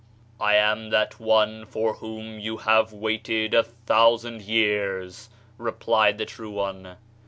"I am that one for whom you have waited a thousand years," replied the True One.